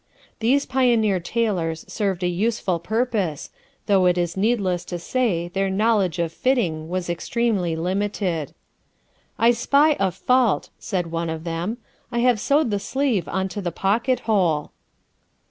These pioneer tailors served a useful purpose, though it is needless to say their knowledge of 'fitting' was exceedingly limited. 'I spy a fault,' said one of them; 'I have sewed the sleeve onto the pocket hole.'"